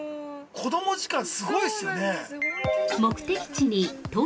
子供時間、すごいっすよね。